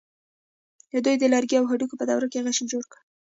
دوی د لرګي او هډوکي په دوره کې غشی جوړ کړ.